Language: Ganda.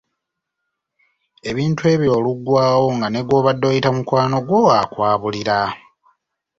Ebintu ebyo oluggwaawo nga ne gw’obadde oyita mukwano gwo akwabulira.